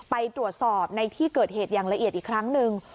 ไปตรวจสอบในที่เกิดเหตุอย่างละเอียดอีกครั้งหนึ่ง